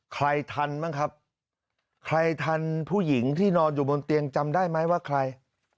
ทันบ้างครับใครทันผู้หญิงที่นอนอยู่บนเตียงจำได้ไหมว่าใคร